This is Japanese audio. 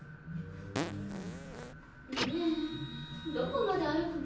ねぇどこまで歩くの？